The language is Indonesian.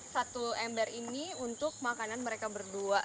satu ember ini untuk makanan mereka berdua